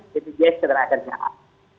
kpjs kederaan kerjaan